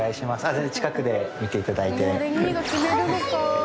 全然近くで見ていただいて。